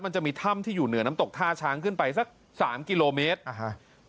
มันจะมีถ้ำที่อยู่เหนือน้ำตกท่าช้างขึ้นไปสักสามกิโลเมตรอ่าฮะ